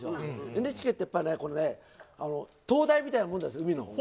ＮＨＫってやっぱりね、これね、灯台みたいなもんです、海の。